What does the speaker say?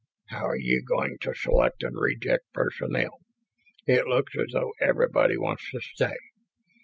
"How are you going to select and reject personnel? It looks as though everybody wants to stay.